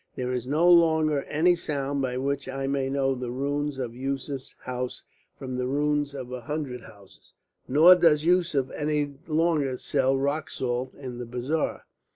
There is no longer any sign by which I may know the ruins of Yusef's house from the ruins of a hundred houses; nor does Yusef any longer sell rock salt in the bazaar.